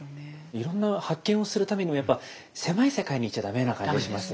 いろんな発見をするためにもやっぱ狭い世界にいちゃダメな感じがしますね。